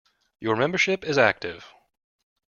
Your membership is active.